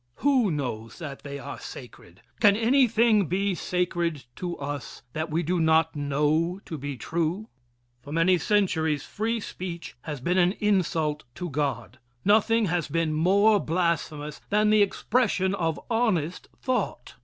Who knows that they are sacred? Can anything be sacred to us that we do not know to be true? For many centuries free speech has been an insult to God. Nothing has been more blasphemous than the expression of honest thought.